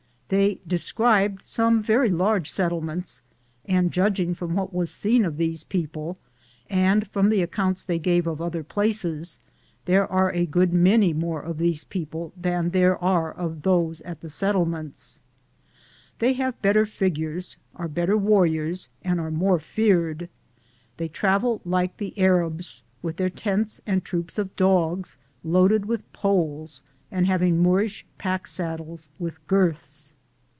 They described some large settlements, and judging from what was seen of these people and from the ac counts they gave of other places, there are a good many more of these people than there are of those at the settlements. They have ill am Google THE JOURNEY OF CORONADO better figures, are better warriors, and ate more feared. They travel like the Arabs, with their tents and troops of dogs loaded with poles ' and having Moorish pack saddles with girths.